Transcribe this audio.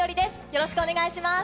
よろしくお願いします。